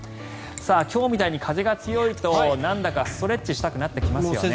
今日みたいに風が強いとなんだかストレッチやってみたくなりますよね。